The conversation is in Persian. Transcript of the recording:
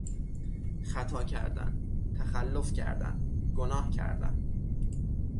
خطا کردن، تخلف کردن، گناه کردن